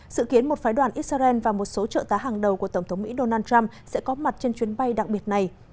dự kiến một phái đoàn israel và một số trợ tá hàng đầu của tổng thống mỹ donald trump sẽ có mặt trên chuyến bay đặc biệt này